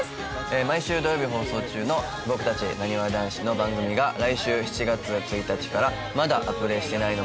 毎週土曜日放送中の僕たちなにわ男子の番組が来週７月１日から『まだアプデしてないの？